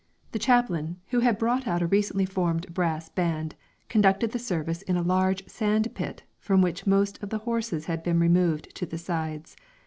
The chaplain, who had brought out a recently formed brass band, conducted the service in a large sand pit from which most of the horses had been removed to the sides.